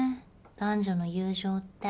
男女の友情って。